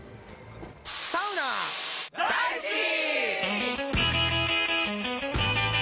サウナ、大好き！